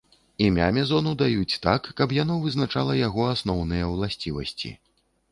Імя мезону даюць так, каб яно вызначала яго асноўныя ўласцівасці.